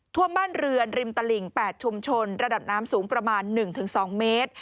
ท่วมบ้านเรือนริมตลิ่ง๘ชุมชนระดับน้ำสูงประมาณ๑๒เมตร